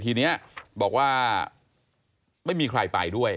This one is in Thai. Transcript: ทีนี้บอกว่าไม่มีใครไปด้วย